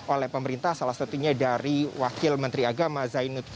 oleh pemerintah salah satunya dari wakil menteri agama zainud